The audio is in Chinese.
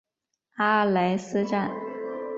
阿莱斯站。